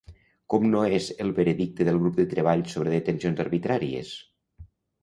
Com no és el veredicte del Grup de Treball sobre Detencions Arbitràries?